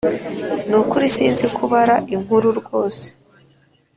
Nukuri sinzi kubara inkuru rwose